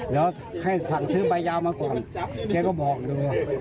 แล้วให้สั่งซื้อใบยาวมาก่อนแกก็บอกดู